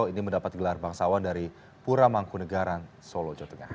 ini mendapat gelar bangsawan dari pura mangkunegaran solo jawa tengah